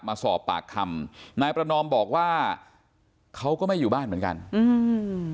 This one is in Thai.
มาสอบปากคำนายประนอมบอกว่าเขาก็ไม่อยู่บ้านเหมือนกันอืม